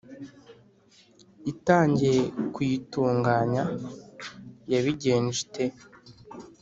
itangiye kuyitunganya. yabigenje ite?